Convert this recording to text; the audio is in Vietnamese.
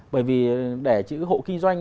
bởi vì để chữ hộ kinh doanh